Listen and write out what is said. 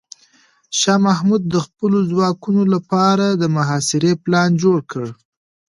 شاه محمود د خپلو ځواکونو لپاره د محاصرې پلان جوړ کړ.